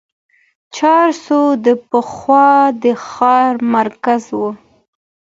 چارسو د پخوا د ښار مرکز و.